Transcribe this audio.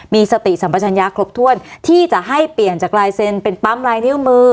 มีสติสัมปชัญญาครบถ้วนที่จะให้เปลี่ยนจากลายเซ็นต์เป็นปั๊มลายนิ้วมือ